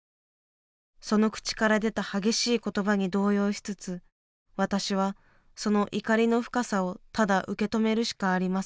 その口から出た激しい言葉に動揺しつつ私はその怒りの深さをただ受け止めるしかありませんでした。